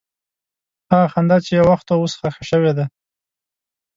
هغه خندا چې یو وخت وه، اوس ښخ شوې ده.